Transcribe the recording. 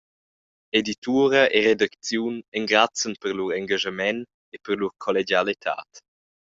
Editura e redacziun engrazian per lur engaschament e per lur collegialitad.